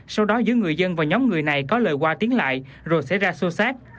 sau đó giữa người dân và nhóm người này có lời qua tiếng lại rồi xảy ra xô xát